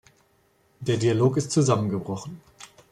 Der Dialog ist zusammengebrochen.